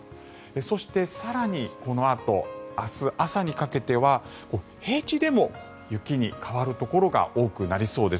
そして更にこのあと明日朝にかけては平地でも雪に変わるところが多くなりそうです。